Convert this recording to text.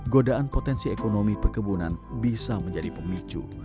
godaan potensi ekonomi perkebunan bisa menjadi pemicu